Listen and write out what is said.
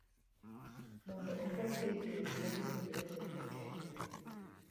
mondo okony e rito weche majipuonjorego e chokruok.